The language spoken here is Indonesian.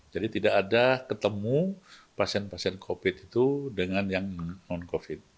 jadi tidak ada ketemu pasien pasien covid itu dengan yang non covid